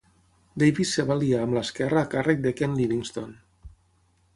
Davies es va aliar amb l'esquerra a càrrec de Ken Livingstone.